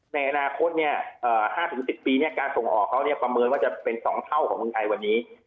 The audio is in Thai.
ในอนาคต๕๑๐ปีการส่งออกเขาประเมินว่าจะเป็น๒เท่าของเมืองไทยวันนี้